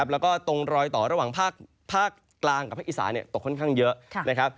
แล้วก็ตรงรอยต่อระหว่างภาคกลางกับภาคอีสานตกค่อนข้างเยอะนะครับ